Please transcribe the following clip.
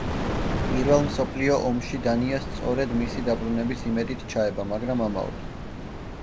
პირველ მსოფლიო ომში დანია სწორედ მისი დაბრუნების იმედით ჩაება, მაგრამ ამაოდ.